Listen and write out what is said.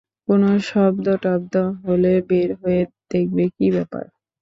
কোনো শব্দটব্দ হলে বের হয়ে দেখবে কী ব্যাপার।